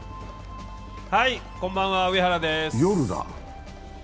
こんばんは、上原です。